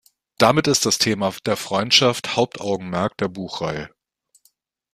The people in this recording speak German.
Damit ist das Thema der Freundschaft Hauptaugenmerk der Buchreihe.